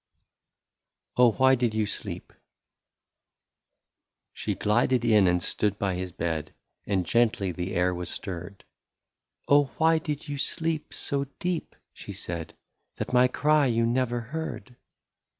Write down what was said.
lOI OH, WHY DID YOU SLEEP ? She glided in, and stood by his bed. And gently the air was stirred :" Oh, why did you sleep so deep,*' she said, That my cry you never heard